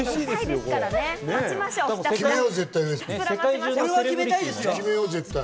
これは決めたいですよ。